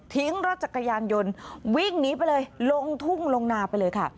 รถจักรยานยนต์วิ่งหนีไปเลยลงทุ่งลงนาไปเลยค่ะ